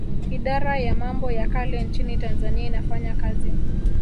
Idara ya mambo ya kale nchini Tanzania inafanya kazi